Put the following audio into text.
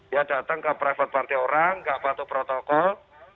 ya datang ke private party orang nggak patuh protokol